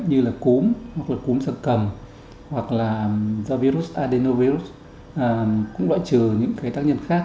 như là cúm hoặc là cúm sợ cầm hoặc là do virus adenovirus cũng loại trừ những cái tác nhân khác